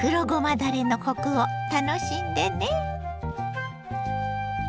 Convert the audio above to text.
だれのコクを楽しんでね。